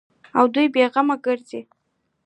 او دوى بې غمه گرځي.